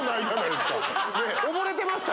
おぼれてました？